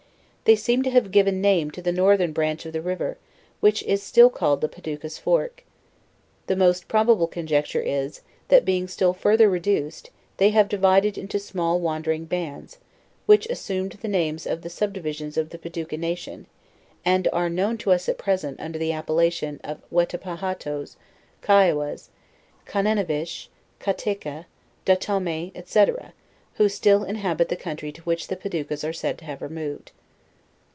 They seem to have given name to the northern branch of the river, which is still called the Paducas Fork. The most probable conjecture is, that being still further re duced, they have divided into small wandering bands, which assumed the names of the sub divisions of the Paducas na nation, and are known to us at present under the appellation ,of Wetepahatoes, Kiawas, Kansnavish, Katteka, Dotame, &c. who still inhabit the country to which the Paducas ars said to have removed.